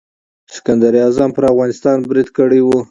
سکندر اعظم پر افغانستان برید کړی و.